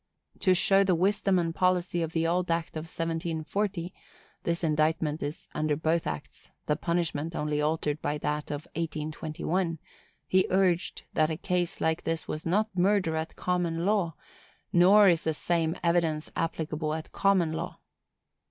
To show the wisdom and policy of the old act of 1740 (this indictment is under both acts,—the punishment only altered by that of 1821), he urged that a case like this was not murder at common law; nor is the same evidence applicable at common law.